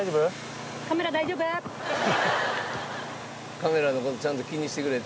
「カメラの事ちゃんと気にしてくれて」